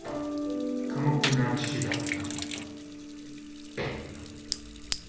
寡黙な父だった。